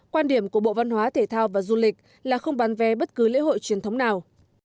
quan điểm của bộ văn hóa thể thao và du lịch là không bán vé bất cứ lễ hội truyền thống nào